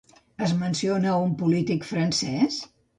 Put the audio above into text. Es menciona a un polític francès?